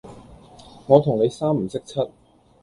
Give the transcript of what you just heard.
我同你三唔識七